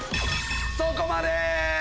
そこまで！